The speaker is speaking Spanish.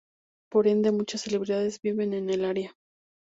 Por ende, muchas celebridades viven en el área.